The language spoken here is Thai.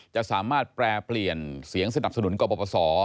จะสามารถแปรเปลี่ยนเสียงสนับสนุนกรปศ